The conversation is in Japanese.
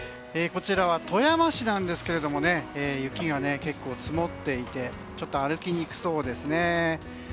こちらは富山市なんですが雪が結構積もっていてちょっと歩きにくそうですね。